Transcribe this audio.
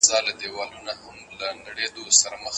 د حج مبارک سفر نصیب مو شه.